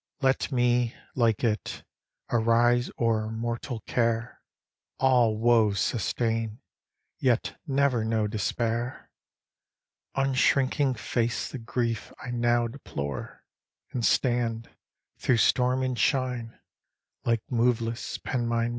'Let me, like it, arise o'er mortal care, All woes sustain, yet never know despair; Unshrinking face the grief I now deplore, And stand, through storm and shine, like moveless PENMAENMAWR!'